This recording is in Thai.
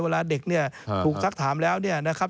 เวลาเด็กเนี่ยถูกซักถามแล้วเนี่ยนะครับ